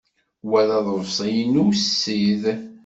Wa d aḍebsi-inu ussid.